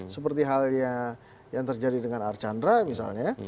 seperti halnya yang terjadi dengan archandra misalnya